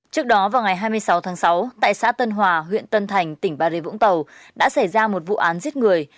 trước đó vào ngày hai mươi sáu tháng sáu tại xã tân hòa huyện tân thành tỉnh bà rìa vũng tàu đã xảy ra một vụ án giết người